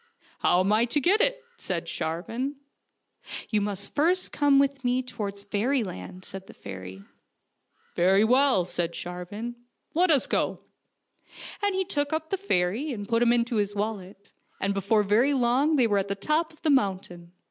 " How am I to get to it? " said Sharvan. " You must first come with me towards fairy land," said the fairy. " Very well," said Sharvan ;" let us go." And he took up the fairy and put him into his wallet, and before very long they were on the top of the mountain.